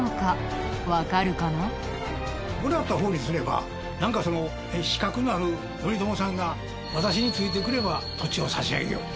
もらった方にすればなんか資格のある頼朝さんが私についてくれば土地を差し上げよう。